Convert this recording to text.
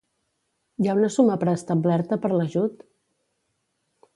Hi ha una suma preestablerta per l'ajut?